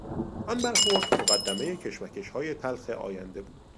آن برخورد مقدمهی کشمکشهای تلخ آینده بود.